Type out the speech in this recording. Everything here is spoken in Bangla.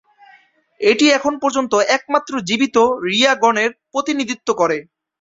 এটি এখন পর্যন্ত একমাত্র জীবিত "রিয়া" গণের প্রতিনিধিত্ব করে।